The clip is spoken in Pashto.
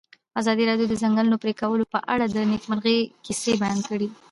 ازادي راډیو د د ځنګلونو پرېکول په اړه د نېکمرغۍ کیسې بیان کړې.